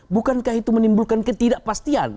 bukankah itu menimbulkan ketidakpastian